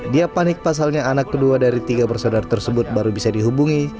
dia panik pasalnya anak kedua dari tiga bersaudara tersebut baru bisa dihubungi